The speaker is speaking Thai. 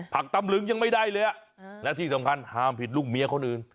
ตำลึงยังไม่ได้เลยและที่สำคัญห้ามผิดลูกเมียคนอื่น